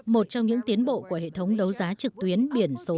một trong những tiến bộ của hệ thống đấu giá trực tuyến biển số xe ô tô mới